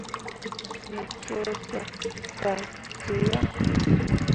Me coo cok gah ke yan.